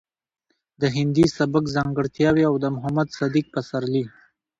د هندي سبک ځانګړټياوې او د محمد صديق پسرلي